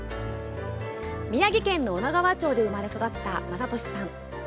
宮城県の女川町で生まれ育った雅俊さん。